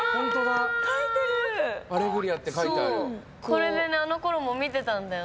これであのころも見てたんだよね。